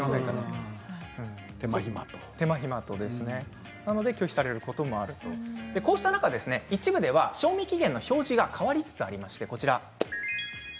手間暇もかかるし、なので拒否されることもあるということですし一部では賞味期限の表示が変わりつつあります。